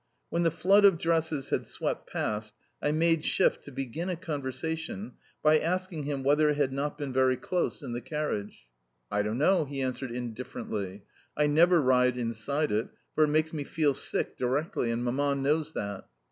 When the flood of dresses had swept past I made shift to begin a conversation by asking him whether it had not been very close in the carriage. "I don't know," he answered indifferently. "I never ride inside it, for it makes me feel sick directly, and Mamma knows that.